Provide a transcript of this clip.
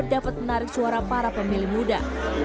dapat menarik suara para pemilih muda